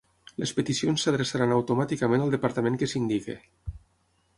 Les peticions s'adreçaran automàticament al departament que s'indiqui.